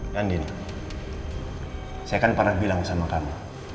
nandini saya kan pernah bilang sama kamu